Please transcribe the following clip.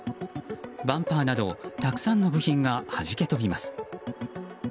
バンパーなどたくさんの部品がはじけ飛びます。